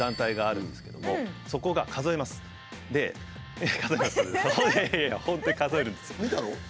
いやいや本当に数えるんです。